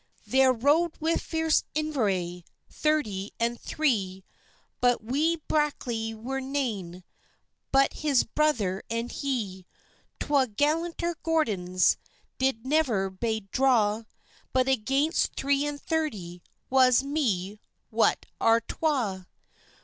There rode with fierce Inveraye Thirty and three, But wi' Brackley were nane But his brother and he; Twa gallanter Gordons Did never blade draw, But against three and thirty Wae's me! what are twa?